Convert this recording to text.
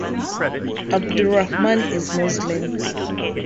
Abdurrahman is Muslim.